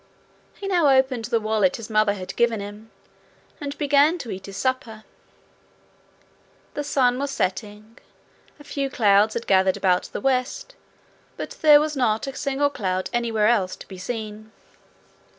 He now opened the wallet his mother had given him, and began to eat his supper. The sun was setting. A few clouds had gathered about the west, but there was not a single cloud anywhere else to be seen.